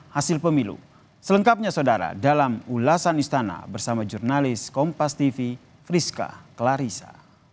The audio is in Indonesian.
hasil pemilu selengkapnya saudara dalam ulasan istana bersama jurnalis kompas tv friska clarissa